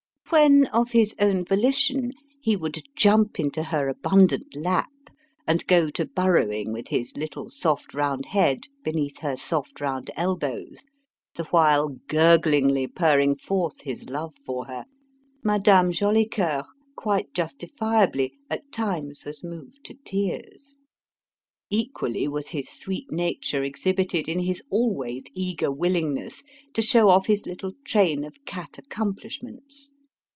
When, of his own volition, he would jump into her abundant lap and go to burrowing with his little soft round head beneath her soft round elbows, the while gurglingly purring forth his love for her, Madame Jolicoeur, quite justifiably, at times was moved to tears. Equally was his sweet nature exhibited in his always eager willingness to show off his little train of cat accomplishments.